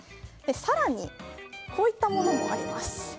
更に、こういったものもあります。